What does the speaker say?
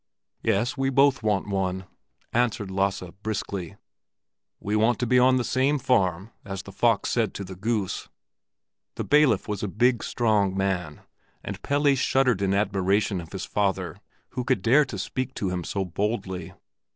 "Yes, we both want one," answered Lasse, briskly. "We want to be at the same farm—as the fox said to the goose." The bailiff was a big, strong man, and Pelle shuddered in admiration of his father who could dare to speak to him so boldly.